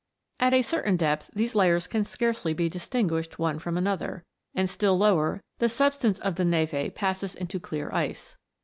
At a certain depth these layers can scarcely be distinguished one from another, and still lower the substance of the neve passes into clear ice.